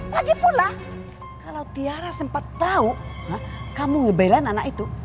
lagi pula kalau tiara sempat tahu kamu ngebelain anak itu